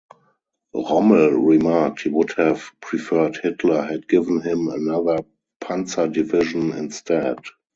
Rommel remarked he would have preferred Hitler had given him another panzer division instead.